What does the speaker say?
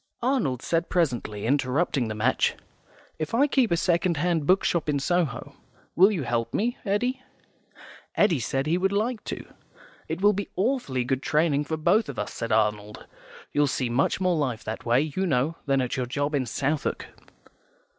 Arnold said presently, interrupting the match, "If I keep a second hand bookshop in Soho, will you help me, Eddy?" Eddy said he would like to. "It will be awfully good training for both of us," said Arnold. "You'll see much more life that way, you know, than at your job in Southwark."